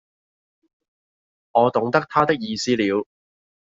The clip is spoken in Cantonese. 我懂得他的意思了，